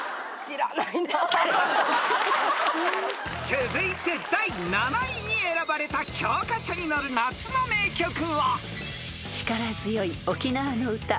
［続いて第７位に選ばれた教科書に載る夏の名曲は］